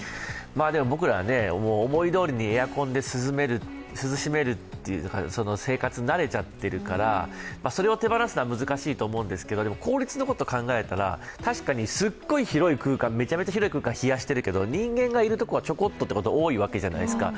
僕ら、思いどおりにエアコンで涼めるという生活に慣れちゃっているからそれを手放すのは難しいと思うんですけど効率のことを考えたら、確かにすごい広い空間、めちゃめちゃ広い空間を冷やしてるけど人間がいるところはちょこっとということが多いわけじゃないですか。